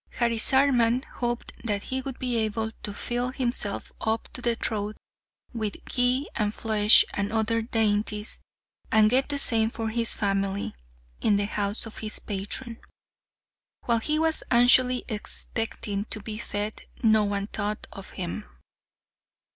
Harisarman hoped that he would be able to fill himself up to the throat with ghee and flesh and other dainties, and get the same for his family, in the house of his patron. While he was anxiously expecting to be fed, no one thought of him.